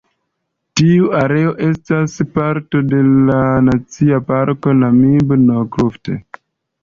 Tiu areo estas parto de la Nacia Parko Namib-Naukluft.